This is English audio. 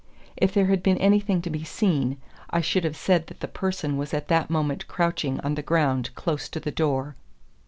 If there had been anything to be seen, I should have said that the person was at that moment crouching on the ground close to the door.